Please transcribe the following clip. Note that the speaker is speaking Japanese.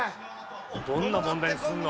どんな問題にするの？